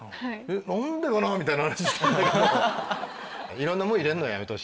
「何でかな」みたいな話したんだけど。